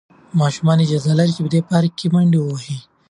ماشومان اجازه لري چې په دې پارک کې منډې ووهي.